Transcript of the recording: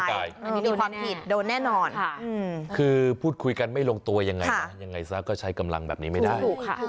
อันนี้มีความผิดโดนแน่นอนคือพูดคุยกันไม่ลงตัวยังไงนะยังไงซะก็ใช้กำลังแบบนี้ไม่ได้